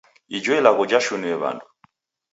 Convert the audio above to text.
Ijo ilagho jashinue w'andu.